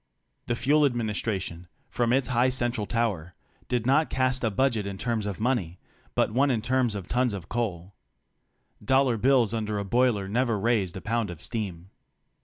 The Fuel Admin istration from its high central tower did not cast a budget in terms of money, but one in terms of tons of coal. Dollar bills under a boiler never raised a pound of steam.